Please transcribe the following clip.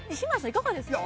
いかがですか？